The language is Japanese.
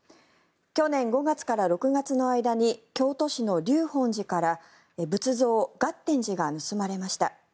去年５月から６月の間に京都市の立本寺から仏像、月天子が盗まれました。